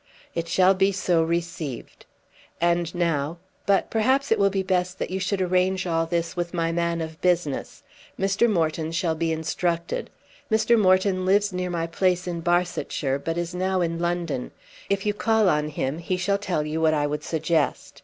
"It shall be so received. And now But perhaps it will be best that you should arrange all this with my man of business. Mr. Moreton shall be instructed. Mr. Moreton lives near my place in Barsetshire, but is now in London. If you will call on him he shall tell you what I would suggest.